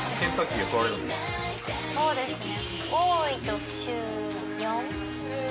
そうですね。